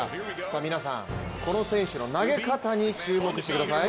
皆さん、この選手の投げ方に注目してください。